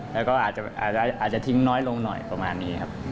แล้วก็อาจจะทิ้งน้อยลงหน่อยประมาณนี้ครับ